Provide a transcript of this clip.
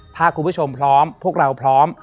ถ้าคุณผู้ชมพร้อมพวกเราพร้อม